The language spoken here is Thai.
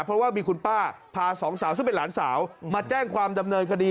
เพราะว่ามีคุณป้าพาสองสาวซึ่งเป็นหลานสาวมาแจ้งความดำเนินคดี